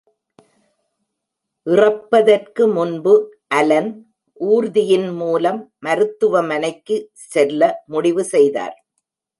இறப்பதற்கு முன்பு அலன் ஊர்தியின் மூலம் மருத்துவமனைக்கு செல்ல முடிவு செய்தார்.